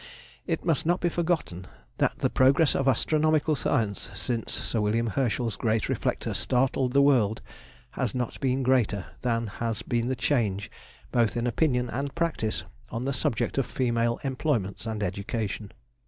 It must not be forgotten, that the progress of astronomical science since Sir William Herschel's great reflector startled the world, has not been greater than has been the change, both in opinion and practice, on the subject of female employments and education.